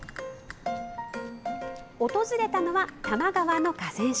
訪れたのは、多摩川の河川敷。